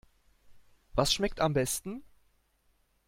Was schmeckt am besten?